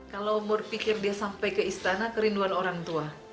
kalau umur pikir dia sampai ke istana kerinduan orang tua